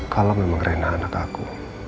kalau memang rendah anak aku